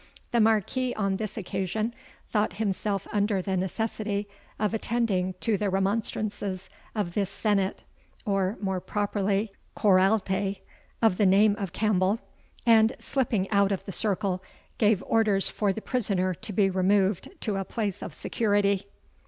The Marquis on this occasion thought himself under the necessity of attending to the remonstrances of this senate, or more properly COUROULTAI, of the name of Campbell, and, slipping out of the circle, gave orders for the prisoner to be removed to a place of security.